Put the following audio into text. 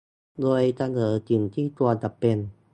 โดยเสนอสิ่งที่ควรจะเป็น